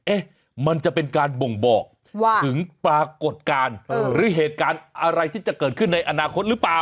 มันจะเป็นการบ่งบอกถึงปรากฏการณ์หรือเหตุการณ์อะไรที่จะเกิดขึ้นในอนาคตหรือเปล่า